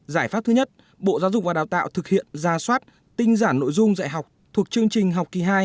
giải pháp thứ nhất bộ giáo dục và đào tạo thực hiện ra soát tinh giản nội dung dạy học thuộc chương trình học kỳ hai